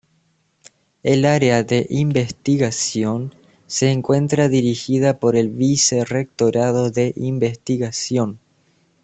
El área de investigación se encuentra dirigida por el Vicerrectorado de Investigación.